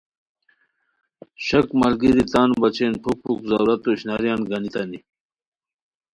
شک ملگیری تان بچین پُھک پُھک ضرورتو اشناریان گانیتائے